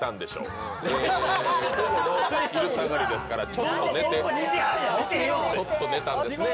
昼下がりですからちょっと寝たんですね。